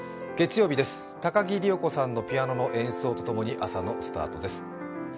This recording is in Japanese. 月曜日です、高木里代子さんのピアノの演奏とともに朝のスタートです。